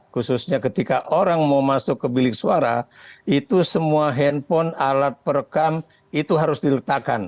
khususnya ketika orang mau masuk ke bilik suara itu semua handphone alat perekam itu harus diletakkan